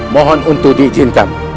mohon untuk diizinkan